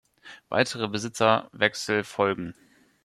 Weitere Besitzerwechsel folgen.